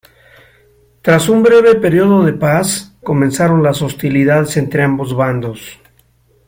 Tras un breve período de paz, comenzaron las hostilidades entre ambos bandos.